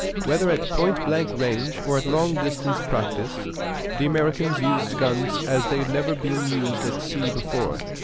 Whether at point blank range or at long distance practice, the Americans used guns as they had never been used at sea before.